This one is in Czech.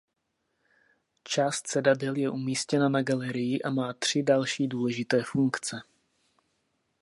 Část sedadel je umístěna na galerii a má tři další důležité funkce.